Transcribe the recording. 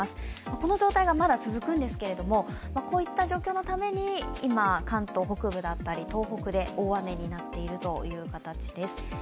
この状態がまだ続くんですけれども、こういった状況のために、今、関東北部だったり東北で大雨になっているという形です。